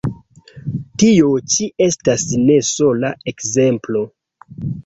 Tio ĉi estas ne sola ekzemplo.